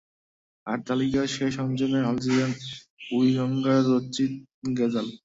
আর তালিকায় শেষ সংযোজন আলজেরিয়ান উইঙ্গার রাচিদ গেজাল।